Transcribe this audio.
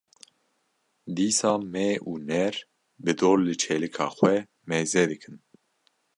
dîsa mê û nêr bi dor li çêlika xwe mêze dikin.